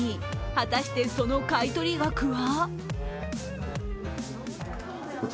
果たしてその買い取り額は？